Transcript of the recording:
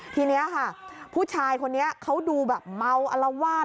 ทีนี้ค่ะผู้ชายคนนี้เขาดูแบบเมาอลวาด